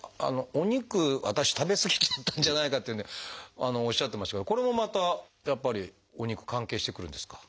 「お肉私食べ過ぎちゃったんじゃないか」というんでおっしゃってましたけどこれもまたやっぱりお肉関係してくるんですか？